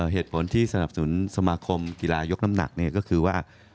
เหตุผลที่สนับสนุนสมาคมกีฬายกน้ำหนักก็คือว่า